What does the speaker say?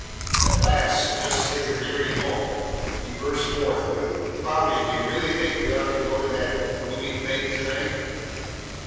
At last, just as they were nearing home he burst forth with, "Cloudy, do you really think we ought to go to that bl looming thing to night?"